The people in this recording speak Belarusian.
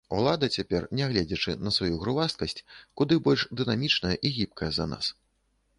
Улада цяпер, нягледзячы на сваю грувасткасць, куды больш дынамічная і гібкая за нас.